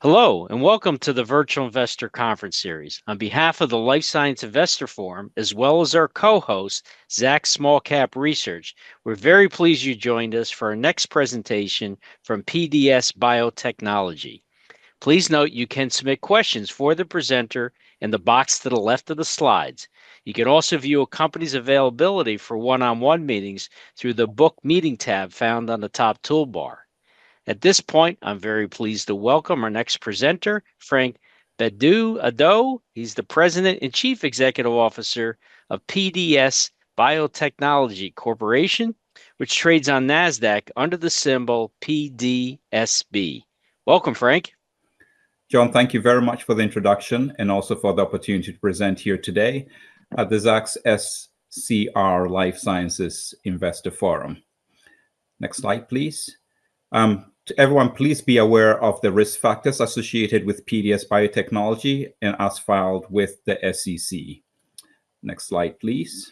Hello, and welcome to the Virtual Investor Conference Series. On behalf of the Life Science Investor Forum, as well as our co-host, Zach Smallcap Research, we're very pleased you joined us for our next presentation from PDS Biotechnology. Please note you can submit questions for the presenter in the box to the left of the slides. You can also view a company's availability for one-on-one meetings through the Book Meeting tab found on the top toolbar. At this point, I'm very pleased to welcome our next presenter, Frank Bedu-Addo. He's the President and Chief Executive Officer of PDS Biotechnology Corporation, which trades on NASDAQ under the symbol PDSB. Welcome, Frank. John, thank you very much for the introduction and also for the opportunity to present here today at the Zacks SCR Life Sciences Investor Forum. Next slide, please. Everyone, please be aware of the risk factors associated with PDS Biotechnology and as filed with the SEC. Next slide, please.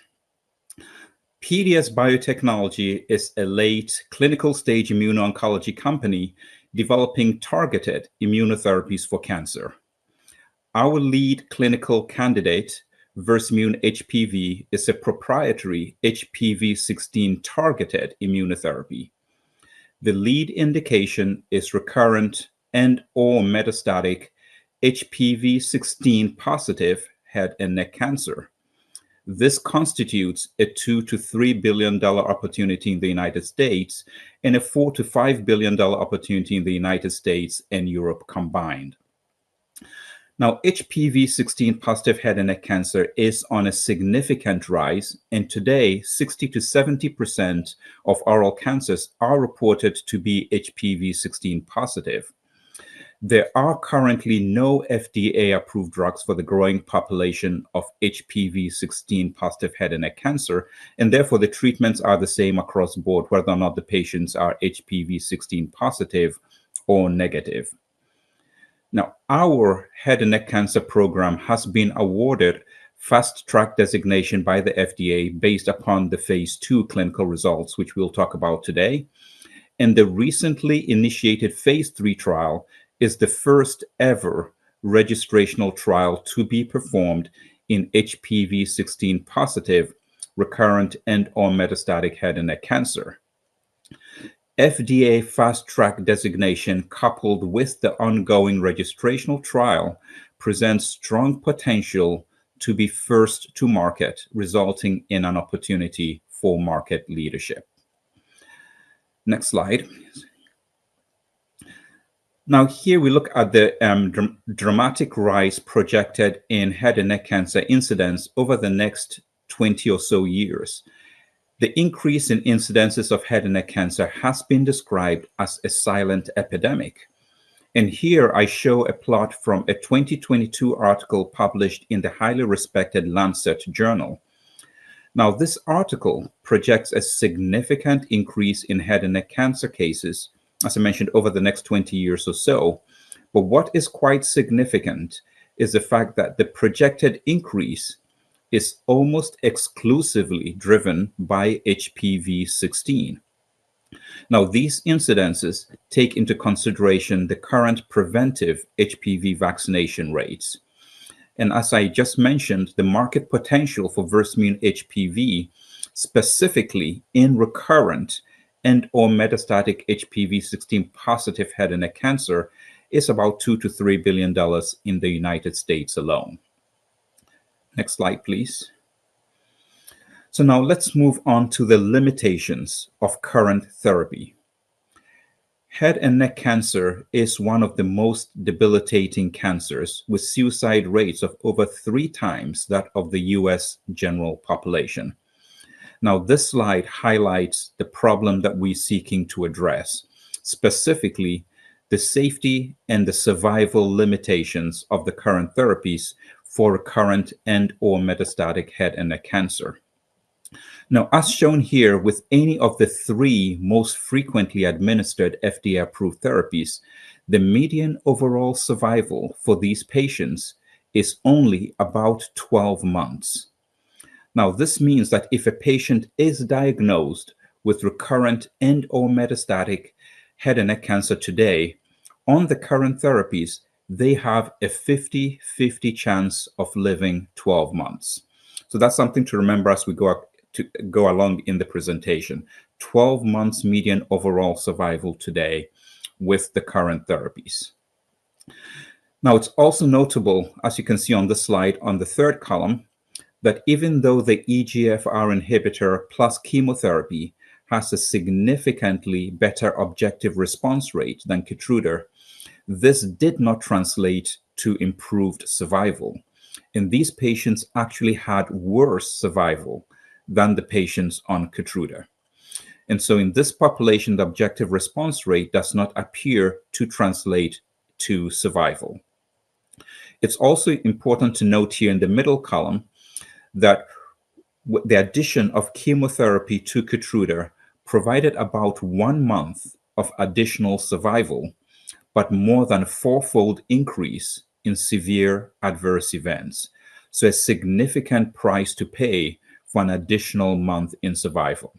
PDS Biotechnology is a late clinical stage immuno-oncology company developing targeted immunotherapies for cancer. Our lead clinical candidate, Versamune HPV, is a proprietary HPV-16 targeted immunotherapy. The lead indication is recurrent and/or metastatic HPV-16 positive head and neck cancer. This constitutes a $2 billion-$3 billion opportunity in the United States and a $4 billion-$5 billion opportunity in the United States and Europe combined. Now, HPV-16 positive head and neck cancer is on a significant rise, and today, 60%-70% of oral cancers are reported to be HPV-16 positive. There are currently no FDA-approved drugs for the growing population of HPV-16 positive head and neck cancer, and therefore the treatments are the same across the board, whether or not the patients are HPV-16 positive or negative. Now, our head and neck cancer program has been awarded fast-track designation by the FDA based upon the phase two clinical results, which we'll talk about today. The recently initiated phase three trial is the first-ever registrational trial to be performed in HPV-16 positive, recurrent, and/or metastatic head and neck cancer. FDA fast-track designation, coupled with the ongoing registrational trial, presents strong potential to be first to market, resulting in an opportunity for market leadership. Next slide. Now, here we look at the dramatic rise projected in head and neck cancer incidence over the next 20 or so years. The increase in incidences of head and neck cancer has been described as a silent epidemic. Here, I show a plot from a 2022 article published in the highly respected Lancet Journal. This article projects a significant increase in head and neck cancer cases, as I mentioned, over the next 20 years or so. What is quite significant is the fact that the projected increase is almost exclusively driven by HPV-16. These incidences take into consideration the current preventive HPV vaccination rates. As I just mentioned, the market potential for Versamune HPV, specifically in recurrent and/or metastatic HPV-16 positive head and neck cancer, is about $2 billion-$3 billion in the United States alone. Next slide, please. Now, let's move on to the limitations of current therapy. Head and neck cancer is one of the most debilitating cancers, with suicide rates of over three times that of the US general population. Now, this slide highlights the problem that we're seeking to address, specifically the safety and the survival limitations of the current therapies for recurrent and/or metastatic head and neck cancer. Now, as shown here, with any of the three most frequently administered FDA-approved therapies, the median overall survival for these patients is only about 12 months. Now, this means that if a patient is diagnosed with recurrent and/or metastatic head and neck cancer today, on the current therapies, they have a 50/50 chance of living 12 months. That is something to remember as we go along in the presentation: 12 months median overall survival today with the current therapies. Now, it's also notable, as you can see on the slide on the third column, that even though the EGFR inhibitor plus chemotherapy has a significantly better objective response rate than Keytruda, this did not translate to improved survival. These patients actually had worse survival than the patients on Keytruda. In this population, the objective response rate does not appear to translate to survival. It's also important to note here in the middle column that the addition of chemotherapy to Keytruda provided about one month of additional survival, but more than a fourfold increase in severe adverse events. A significant price to pay for an additional month in survival.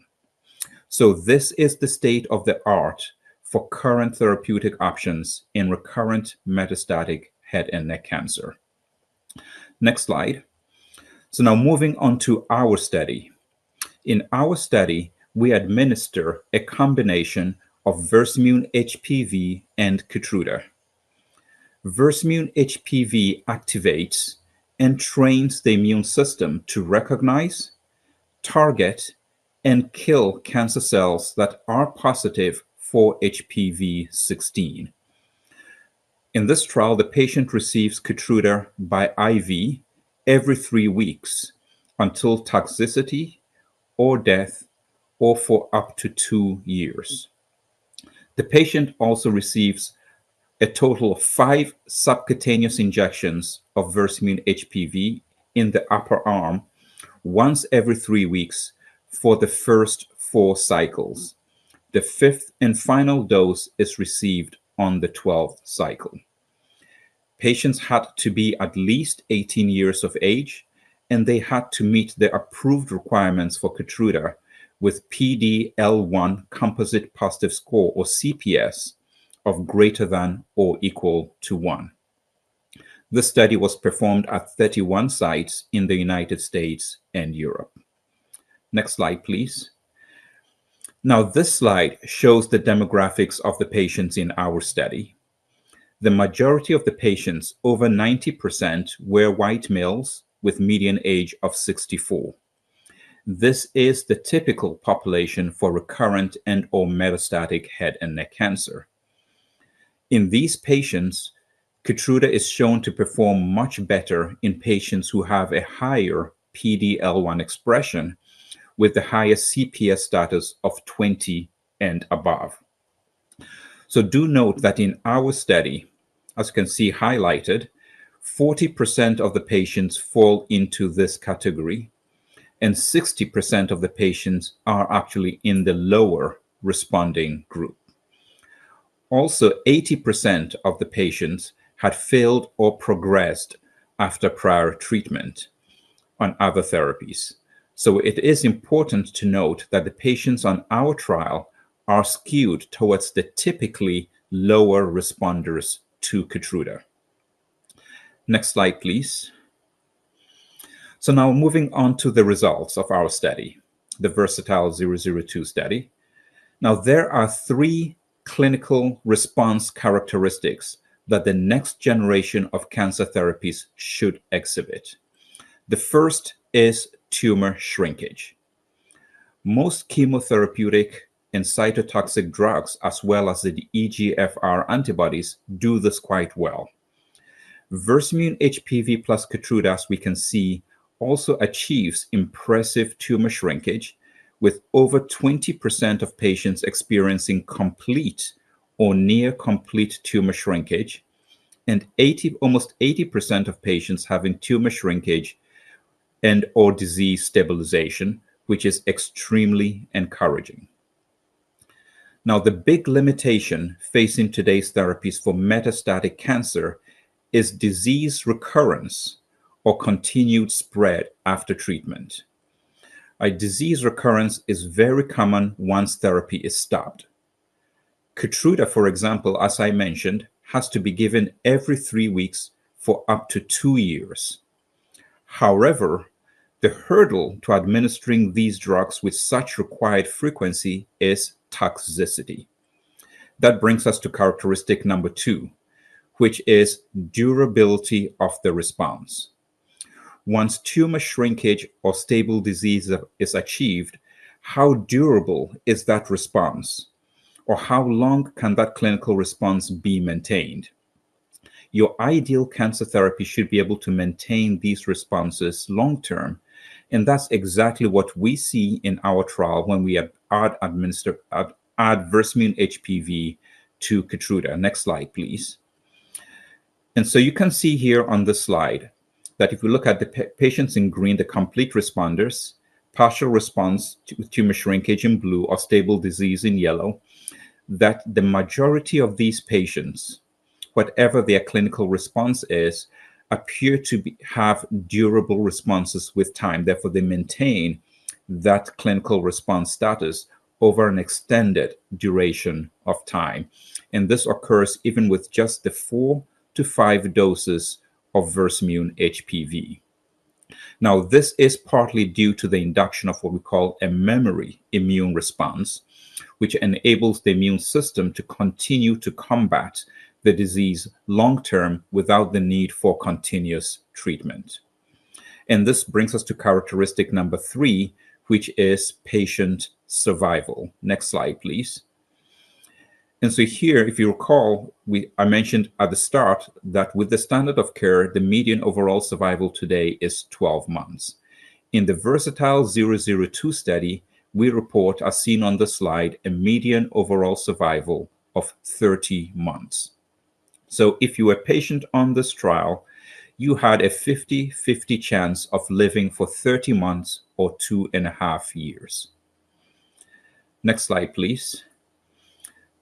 This is the state of the art for current therapeutic options in recurrent metastatic head and neck cancer. Next slide. Now, moving on to our study. In our study, we administer a combination of Versamune HPV and Keytruda. Versamune HPV activates and trains the immune system to recognize, target, and kill cancer cells that are positive for HPV-16. In this trial, the patient receives Keytruda by IV every three weeks until toxicity or death or for up to two years. The patient also receives a total of five subcutaneous injections of Versamune HPV in the upper arm once every three weeks for the first four cycles. The fifth and final dose is received on the 12th cycle. Patients had to be at least 18 years of age, and they had to meet the approved requirements for Keytruda with PD-L1 combined positive score, or CPS, of greater than or equal to one. This study was performed at 31 sites in the United States and Europe. Next slide, please. Now, this slide shows the demographics of the patients in our study. The majority of the patients, over 90%, were white males with a median age of 64. This is the typical population for recurrent and/or metastatic head and neck cancer. In these patients, Keytruda is shown to perform much better in patients who have a higher PD-L1 expression with the highest CPS status of 20 and above. Do note that in our study, as you can see highlighted, 40% of the patients fall into this category, and 60% of the patients are actually in the lower responding group. Also, 80% of the patients had failed or progressed after prior treatment on other therapies. It is important to note that the patients on our trial are skewed towards the typically lower responders to Keytruda. Next slide, please. Now, moving on to the results of our study, the VERSATILE-002 study. There are three clinical response characteristics that the next generation of cancer therapies should exhibit. The first is tumor shrinkage. Most chemotherapeutic and cytotoxic drugs, as well as the EGFR antibodies, do this quite well. Versimune HPV plus Keytruda, as we can see, also achieves impressive tumor shrinkage, with over 20% of patients experiencing complete or near complete tumor shrinkage, and almost 80% of patients having tumor shrinkage and/or disease stabilization, which is extremely encouraging. The big limitation facing today's therapies for metastatic cancer is disease recurrence or continued spread after treatment. Disease recurrence is very common once therapy is stopped. Keytruda, for example, as I mentioned, has to be given every three weeks for up to two years. However, the hurdle to administering these drugs with such required frequency is toxicity. That brings us to characteristic number two, which is durability of the response. Once tumor shrinkage or stable disease is achieved, how durable is that response, or how long can that clinical response be maintained? Your ideal cancer therapy should be able to maintain these responses long-term, and that's exactly what we see in our trial when we add Versimune HPV to Keytruda. Next slide, please. You can see here on the slide that if we look at the patients in green, the complete responders, partial response to tumor shrinkage in blue, or stable disease in yellow, the majority of these patients, whatever their clinical response is, appear to have durable responses with time. Therefore, they maintain that clinical response status over an extended duration of time. This occurs even with just the four to five doses of Versimune HPV. Now, this is partly due to the induction of what we call a memory immune response, which enables the immune system to continue to combat the disease long-term without the need for continuous treatment. This brings us to characteristic number three, which is patient survival. Next slide, please. Here, if you recall, I mentioned at the start that with the standard of care, the median overall survival today is 12 months. In the VERSATILE-002 study, we report, as seen on the slide, a median overall survival of 30 months. If you were a patient on this trial, you had a 50/50 chance of living for 30 months or two and a half years. Next slide, please.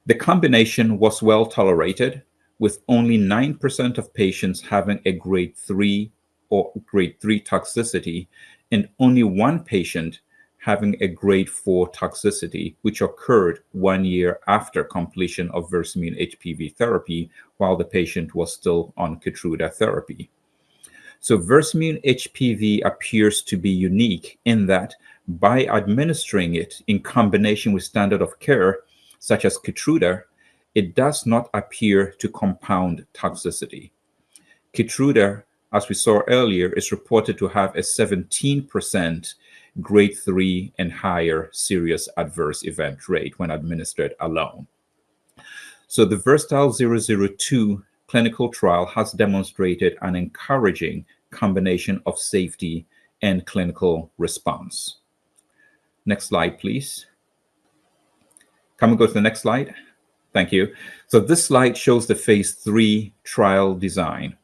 The combination was well tolerated, with only 9% of patients having a grade 3 or grade 3 toxicity and only one patient having a grade 4 toxicity, which occurred one year after completion of Versimune HPV therapy while the patient was still on Keytruda therapy. Versimune HPV appears to be unique in that by administering it in combination with standard of care such as Keytruda, it does not appear to compound toxicity. Keytruda, as we saw earlier, is reported to have a 17% grade 3 and higher serious adverse event rate when administered alone. The VERSATILE-002 clinical trial has demonstrated an encouraging combination of safety and clinical response. Next slide, please. Can we go to the next slide? Thank you. This slide shows the phase three trial design.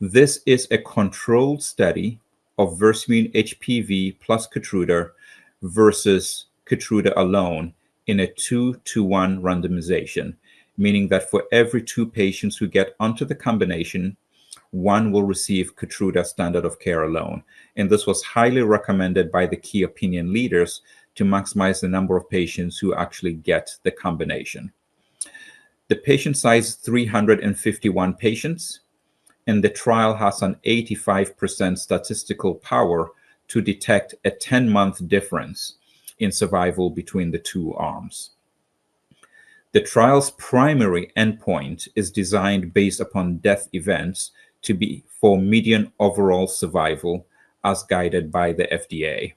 This is a controlled study of Versimune HPV plus Keytruda versus Keytruda alone in a two-to-one randomization, meaning that for every two patients who get onto the combination, one will receive Keytruda standard of care alone. This was highly recommended by the key opinion leaders to maximize the number of patients who actually get the combination. The patient size is 351 patients, and the trial has an 85% statistical power to detect a 10-month difference in survival between the two arms. The trial's primary endpoint is designed based upon death events to be for median overall survival as guided by the FDA.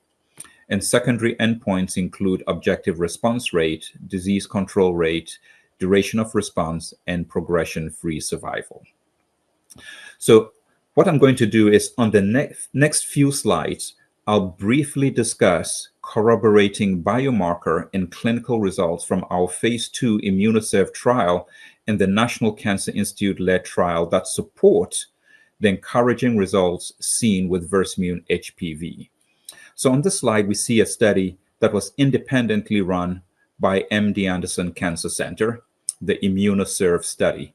Secondary endpoints include objective response rate, disease control rate, duration of response, and progression-free survival. What I'm going to do is, on the next few slides, I'll briefly discuss corroborating biomarker and clinical results from our phase two IMMUNOSERVE trial and the National Cancer Institute-led trial that support the encouraging results seen with Versimune HPV. On this slide, we see a study that was independently run by MD Anderson Cancer Center, the IMMUNOSERVE study.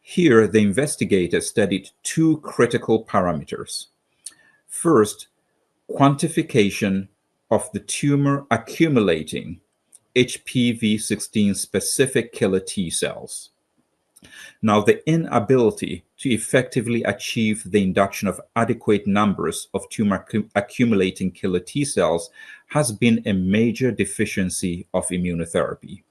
Here, the investigators studied two critical parameters. First, quantification of the tumor accumulating HPV-16 specific killer T cells. Now, the inability to effectively achieve the induction of adequate numbers of tumor accumulating killer T cells has been a major deficiency of immunotherapy.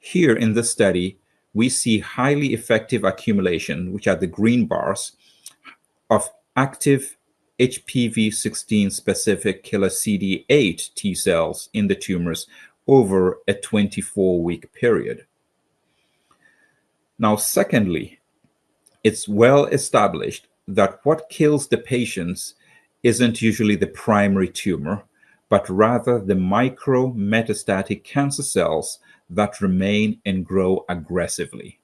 Here, in this study, we see highly effective accumulation, which are the green bars, of active HPV-16 specific killer CD8 T cells in the tumors over a 24-week period. Now, secondly, it's well established that what kills the patients isn't usually the primary tumor, but rather the micro metastatic cancer cells that remain and grow aggressively.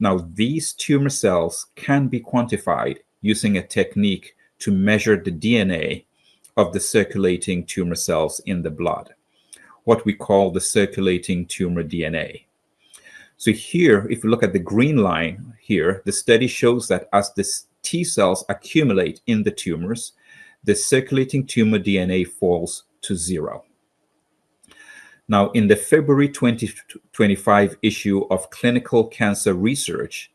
Now, these tumor cells can be quantified using a technique to measure the DNA of the circulating tumor cells in the blood, what we call the circulating tumor DNA. Here, if you look at the green line here, the study shows that as the T cells accumulate in the tumors, the circulating tumor DNA falls to zero. In the February 2025 issue of Clinical Cancer Research,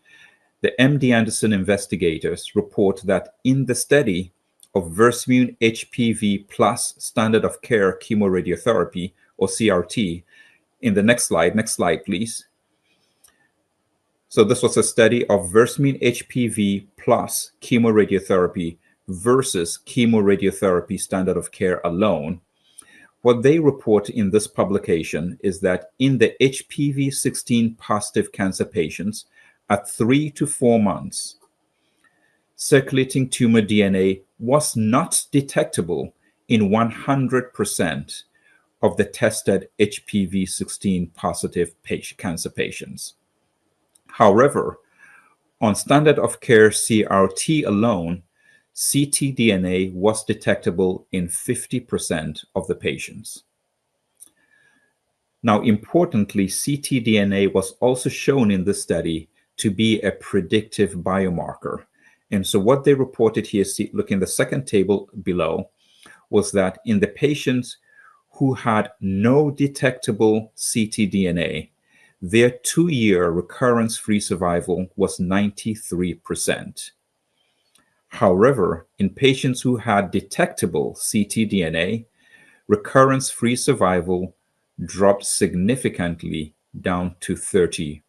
the MD Anderson investigators report that in the study of Versimune HPV plus standard of care chemoradiotherapy, or CRT, in the next slide, next slide, please. This was a study of Versimune HPV plus chemoradiotherapy versus chemoradiotherapy standard of care alone. What they report in this publication is that in the HPV-16 positive cancer patients, at three to four months, circulating tumor DNA was not detectable in 100% of the tested HPV-16 positive cancer patients. However, on standard of care CRT alone, ctDNA was detectable in 50% of the patients. Now, importantly, ctDNA was also shown in this study to be a predictive biomarker. What they reported here, look in the second table below, was that in the patients who had no detectable ctDNA, their two-year recurrence-free survival was 93%. However, in patients who had detectable ctDNA, recurrence-free survival dropped significantly down to 30%.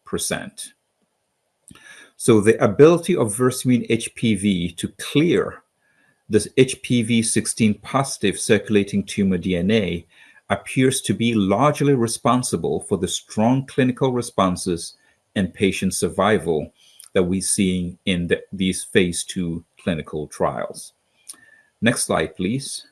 The ability of Versimune HPV to clear this HPV-16 positive circulating tumor DNA appears to be largely responsible for the strong clinical responses and patient survival that we're seeing in these phase two clinical trials. Next slide, please.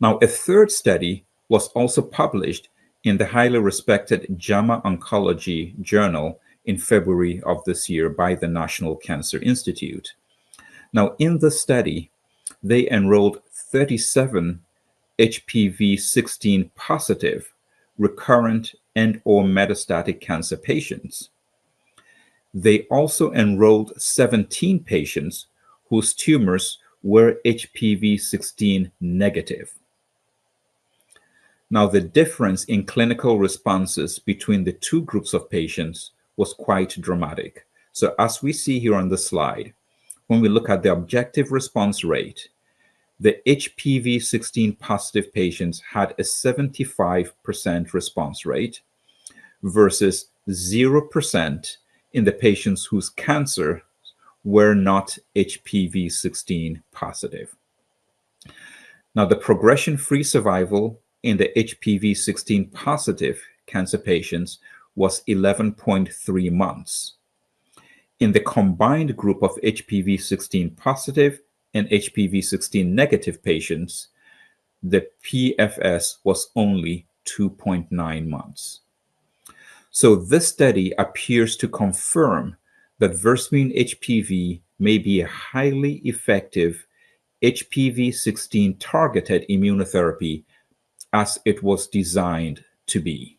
Now, a third study was also published in the highly respected JAMA Oncology Journal in February of this year by the National Cancer Institute. Now, in the study, they enrolled 37 HPV-16 positive recurrent and/or metastatic cancer patients. They also enrolled 17 patients whose tumors were HPV-16 negative. Now, the difference in clinical responses between the two groups of patients was quite dramatic. As we see here on the slide, when we look at the objective response rate, the HPV-16 positive patients had a 75% response rate versus 0% in the patients whose cancer were not HPV-16 positive. Now, the progression-free survival in the HPV-16 positive cancer patients was 11.3 months. In the combined group of HPV-16 positive and HPV-16 negative patients, the PFS was only 2.9 months. This study appears to confirm that Versimune HPV may be a highly effective HPV-16 targeted immunotherapy as it was designed to be.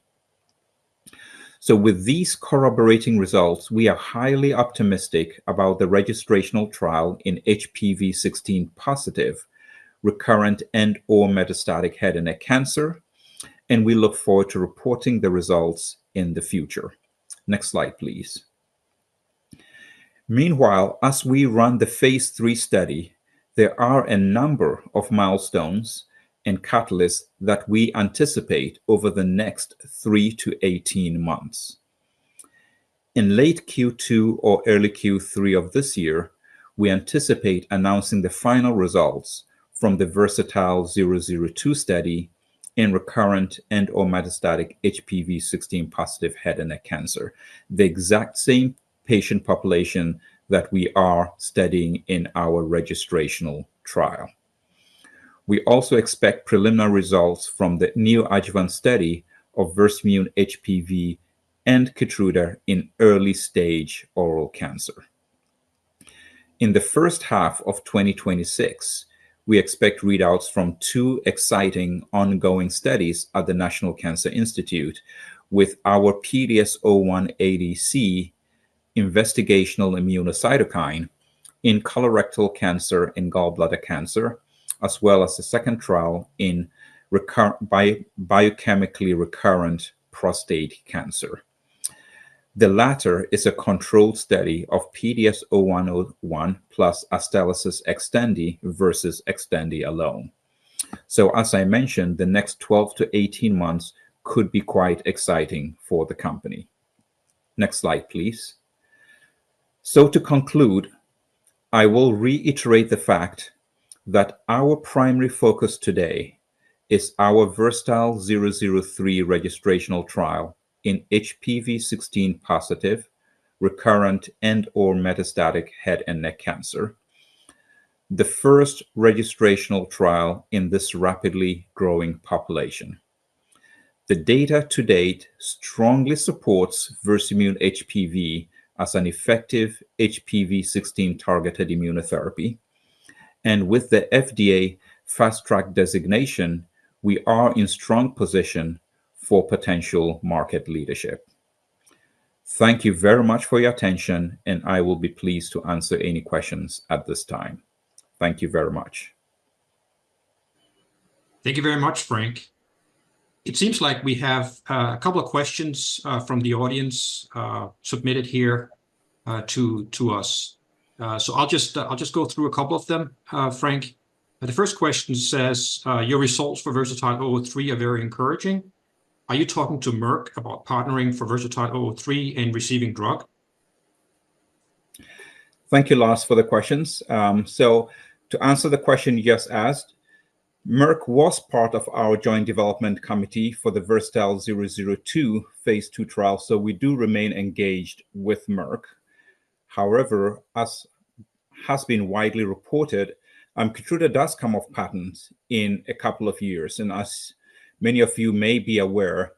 With these corroborating results, we are highly optimistic about the registrational trial in HPV-16 positive recurrent and/or metastatic head and neck cancer, and we look forward to reporting the results in the future. Next slide, please. Meanwhile, as we run the phase three study, there are a number of milestones and catalysts that we anticipate over the next three to 18 months. In late Q2 or early Q3 of this year, we anticipate announcing the final results from the VERSATILE-002 study in recurrent and/or metastatic HPV-16 positive head and neck cancer, the exact same patient population that we are studying in our registrational trial. We also expect preliminary results from the neoadjuvant study of Versimune HPV and Keytruda in early stage oral cancer. In the first half of 2026, we expect readouts from two exciting ongoing studies at the National Cancer Institute with our PDS-0180C investigational immunocytokine in colorectal cancer and gallbladder cancer, as well as a second trial in biochemically recurrent prostate cancer. The latter is a controlled study of PDS-0101 plus Astellas Xtandi versus Xtandi alone. As I mentioned, the next 12-18 months could be quite exciting for the company. Next slide, please. To conclude, I will reiterate the fact that our primary focus today is our VERSATILE-003 registrational trial in HPV-16 positive recurrent and/or metastatic head and neck cancer, the first registrational trial in this rapidly growing population. The data to date strongly supports Versimune HPV as an effective HPV-16 targeted immunotherapy. With the FDA Fast Track designation, we are in strong position for potential market leadership. Thank you very much for your attention, and I will be pleased to answer any questions at this time. Thank you very much. Thank you very much, Frank. It seems like we have a couple of questions from the audience submitted here to us. I will just go through a couple of them, Frank. The first question says, "Your results for VERSATILE-003 are very encouraging. Are you talking to Merck about partnering for VERSATILE-003 and receiving drug?" Thank you, Lars, for the questions. To answer the question you just asked, Merck was part of our joint development committee for the VERSATILE-002 phase two trial, so we do remain engaged with Merck. However, as has been widely reported, Keytruda does come off patents in a couple of years. As many of you may be aware,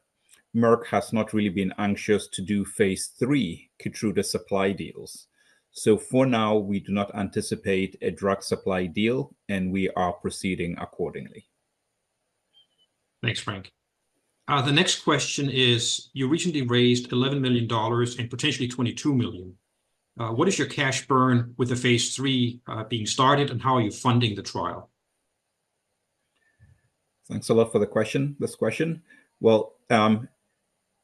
Merck has not really been anxious to do phase three Keytruda supply deals. For now, we do not anticipate a drug supply deal, and we are proceeding accordingly. Thanks, Frank. The next question is, "You recently raised $11 million and potentially $22 million. What is your cash burn with the phase three being started, and how are you funding the trial?" Thanks a lot for this question.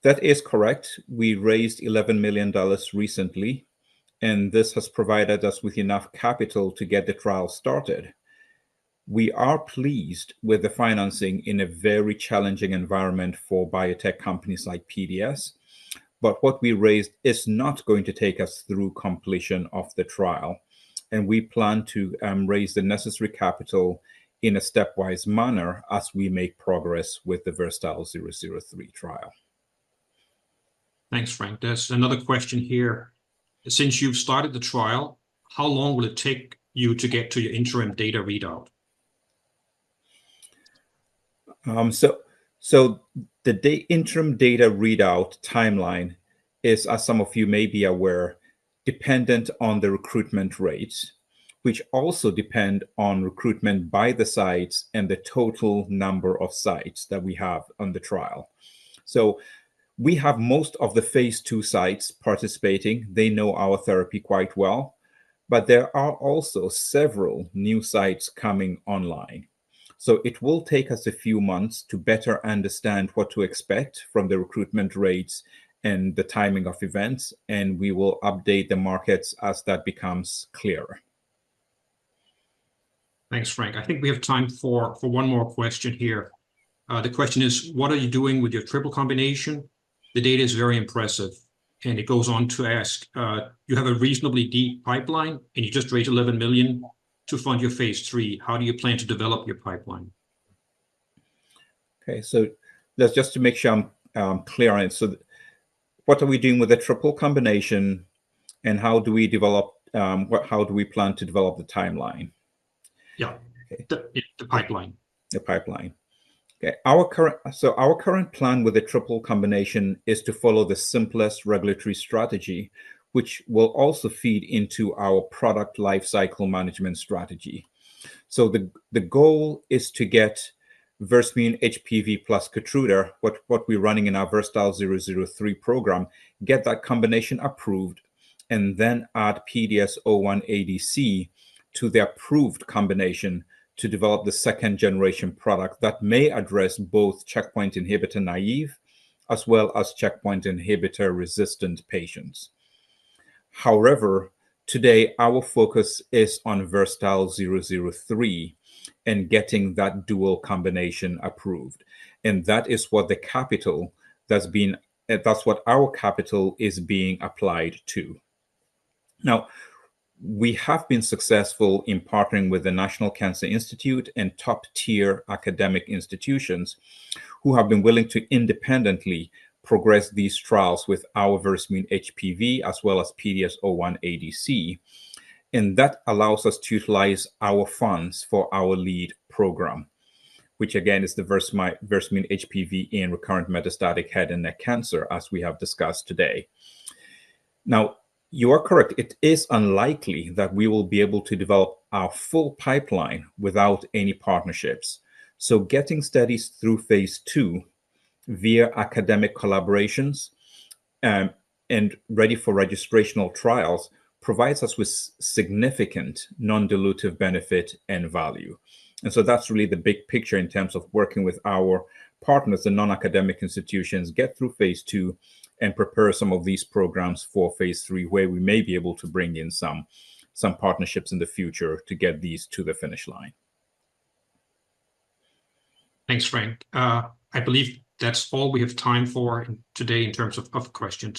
That is correct. We raised $11 million recently, and this has provided us with enough capital to get the trial started. We are pleased with the financing in a very challenging environment for biotech companies like PDS, but what we raised is not going to take us through completion of the trial. We plan to raise the necessary capital in a stepwise manner as we make progress with the VERSATILE-003 trial. Thanks, Frank. There's another question here. Since you've started the trial, how long will it take you to get to your interim data readout?" The interim data readout timeline is, as some of you may be aware, dependent on the recruitment rates, which also depend on recruitment by the sites and the total number of sites that we have on the trial. We have most of the phase two sites participating. They know our therapy quite well, but there are also several new sites coming online. It will take us a few months to better understand what to expect from the recruitment rates and the timing of events, and we will update the markets as that becomes clearer. Thanks, Frank. I think we have time for one more question here. The question is, "What are you doing with your triple combination? The data is very impressive." It goes on to ask, "You have a reasonably deep pipeline, and you just raised $11 million to fund your phase three. How do you plan to develop your pipeline?" Okay. Just to make sure I'm clear on it, what are we doing with the triple combination, and how do we plan to develop the timeline? Yeah. The pipeline. The pipeline. Our current plan with the triple combination is to follow the simplest regulatory strategy, which will also feed into our product lifecycle management strategy. The goal is to get Versimune HPV plus Keytruda, what we're running in our VERSATILE-003 program, get that combination approved, and then add PDS-0180C to the approved combination to develop the second-generation product that may address both checkpoint inhibitor naive as well as checkpoint inhibitor resistant patients. However, today, our focus is on VERSATILE-003 and getting that dual combination approved. That is what the capital that's been, that's what our capital is being applied to. We have been successful in partnering with the National Cancer Institute and top-tier academic institutions who have been willing to independently progress these trials with our Versimune HPV as well as PDS-0180C. That allows us to utilize our funds for our lead program, which again is the Versimune HPV in recurrent metastatic head and neck cancer, as we have discussed today. You are correct. It is unlikely that we will be able to develop our full pipeline without any partnerships. Getting studies through phase two via academic collaborations and ready for registrational trials provides us with significant non-dilutive benefit and value. That's really the big picture in terms of working with our partners and non-academic institutions, get through phase two and prepare some of these programs for phase three, where we may be able to bring in some partnerships in the future to get these to the finish line. Thanks, Frank. I believe that's all we have time for today in terms of questions.